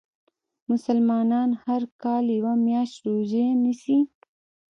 مسلمانان هر کال یوه میاشت روژه نیسي .